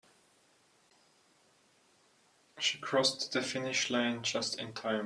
She crossed the finish line just in time.